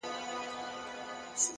نیک عمل د وجدان باغ زرغونوي.